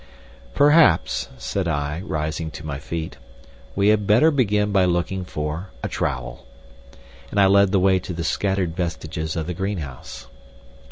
"Perhaps," said I, rising to my feet, "we had better begin by looking for a trowel," and I led the way to the scattered vestiges of the greenhouse.